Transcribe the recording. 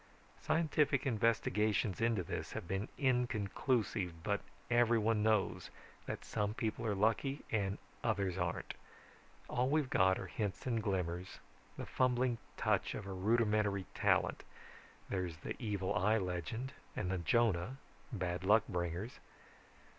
Scientific investigations into this have been inconclusive, but everyone knows that some people are lucky and others aren't. All we've got are hints and glimmers, the fumbling touch of a rudimentary talent. There's the evil eye legend and the Jonah, bad luck bringers.